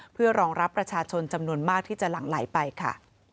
เพื่อรองรับประชาชนจำนวนมากที่จะหลั่งไหลไปค่ะ